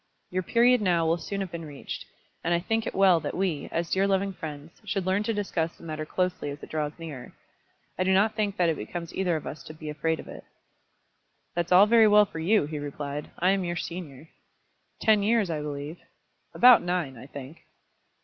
"Your period now will soon have been reached, and I think it well that we, as dear loving friends, should learn to discuss the matter closely as it draws nearer. I do not think that it becomes either of us to be afraid of it." "That's all very well for you," he replied. "I am your senior." "Ten years, I believe." "About nine, I think."